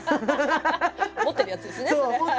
持ってるやつですねそれ。